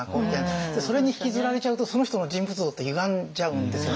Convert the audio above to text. それに引きずられちゃうとその人の人物像ってゆがんじゃうんですよね。